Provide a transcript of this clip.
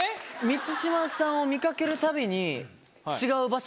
満島さんを見掛けるたびに。